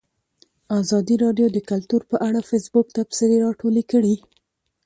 ازادي راډیو د کلتور په اړه د فیسبوک تبصرې راټولې کړي.